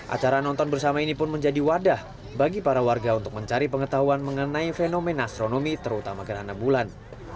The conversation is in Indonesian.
acara nonton bersama ini pun menjadi wadah bagi para warga untuk mencari pengetahuan mengenai fenomena astronomi terutama gerhana bulan